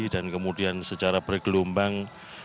dan kemudian secara bergelombang